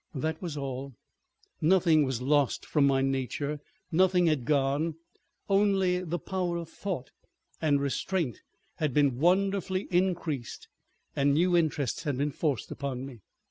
That was all. Nothing was lost from my nature, nothing had gone, only the power of thought and restraint had been wonderfully increased and new interests had been forced upon me.